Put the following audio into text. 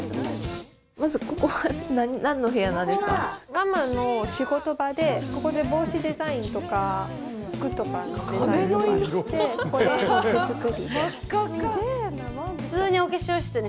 ママの仕事場でここで帽子デザインとか服とかのデザインとかしてここで手作り。